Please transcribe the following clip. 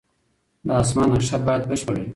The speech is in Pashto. د اسمان نقشه باید بشپړه وي.